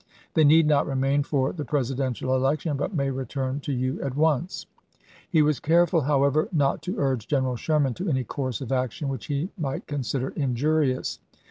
They need not remain for the Presidential election, but may return to you at once." He was careful, however, not to urge General Sherman to any course of action which he might consider injurious.